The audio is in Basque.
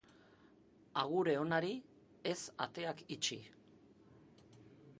Agure onari ez ateak itxi.